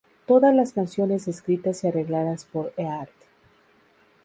Todas las canciones escritas y arregladas por Earth.